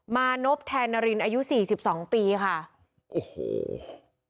มานพแทนนารินอายุสี่สิบสองปีค่ะโอ้โห